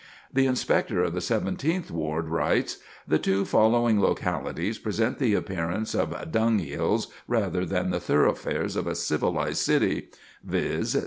The Inspector of the Seventeenth Ward writes: "The two following localities present the appearance of dung hills rather than the thoroughfares in a civilized city, viz.